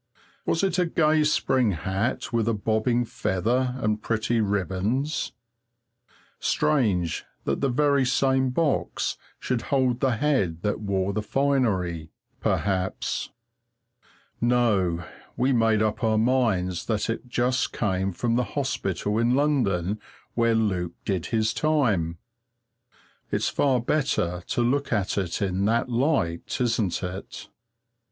Was it a gay spring hat with a bobbing feather and pretty ribands? Strange that the very same box should hold the head that wore the finery perhaps. No we made up our minds that it just came from the hospital in London where Luke did his time. It's far better to look at it in that light, isn't it?